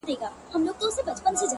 هغه اوس گل ماسوم په غېږه كي وړي؛